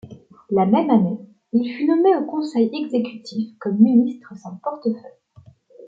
La même année, il fut nommé au Conseil exécutif comme ministre sans portefeuille.